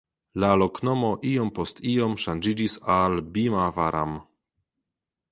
La loknomo iom post iom ŝanĝiĝis al "Bhimavaram".